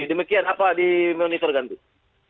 demikian apa di monitor gantung